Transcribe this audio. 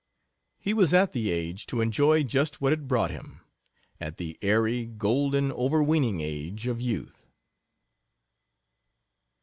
He was at the age to enjoy just what it brought him at the airy, golden, overweening age of youth.